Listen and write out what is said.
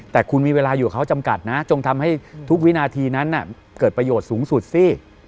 แต่คุณมีเวลาอยู่กับเขาจำกัดนะจงทำให้ทุกวินาทีนั้นเกิดประโยชน์สูงสุดสิ